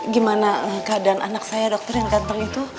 gimana keadaan anak saya dokter yang datang itu